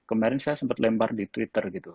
kemarin saya sempat lempar di twitter gitu